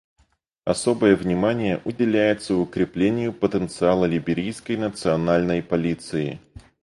Особое внимание уделяется укреплению потенциала Либерийской национальной полиции.